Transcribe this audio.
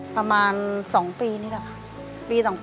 ประมาณ๒ปีนี่แหละค่ะ